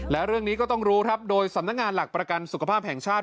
และเรื่องนี้ก็ต้องรู้ครับโดยสำนักงานหลักประกันสุขภาพแห่งชาติ